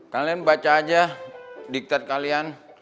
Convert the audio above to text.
kalian baca aja dikted kalian